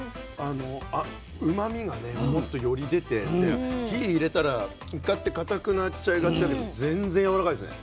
うまみがねもっとより出てで火入れたらイカってかたくなっちゃいがちだけど全然やわらかいですね。